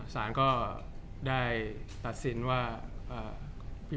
จากความไม่เข้าจันทร์ของผู้ใหญ่ของพ่อกับแม่